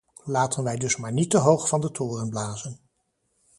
Laten wij dus maar niet te hoog van de toren blazen.